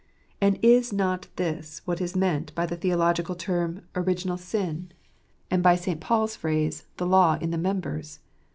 And is not this what is meant by the theological term, original sin ; and by 46 Secret oi tpuritg. St. Paul's phrase, w the law in the members